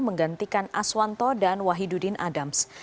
menggantikan aswanto dan wahidudin adams